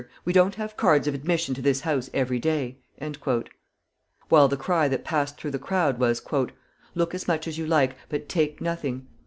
We don't have cards of admission to this house every day!" While the cry that passed through the crowd was: "Look as much as you like, but take nothing!"